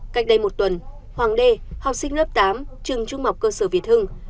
cách đây một tuần hoàng đê học sinh lớp tám trường trung học cơ sở việt hưng